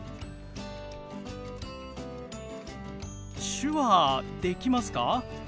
手話できますか？